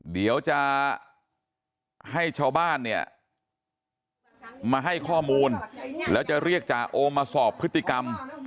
เดี๋ยวจะให้ชาวบ้านเนี่ยมาให้ข้อมูลแล้วจะเรียกจ่าโอมาสอบพฤติกรรม